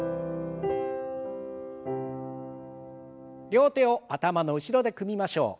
両手を頭の後ろで組みましょう。